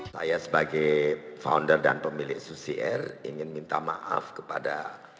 saya sebagai founder dan pemilik susi air ingin minta maaf kepada